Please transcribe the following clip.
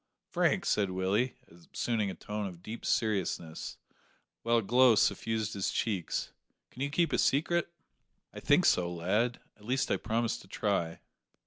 "Frank," said Willie, assuming a tone of deep seriousness, while a glow suffused his cheeks, "can you keep a secret?" "I think so, lad; at least I promise to try."